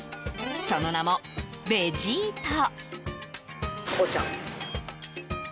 その名もベジート。